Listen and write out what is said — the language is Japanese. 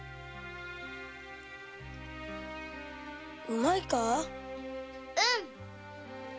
うまいか？